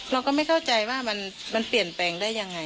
เราก็ไม่เข้าใจว่ามันเปลี่ยนแปลงได้ยังไง